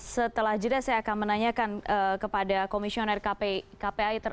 setelah jeda saya akan menanyakan kepada komisioner kpai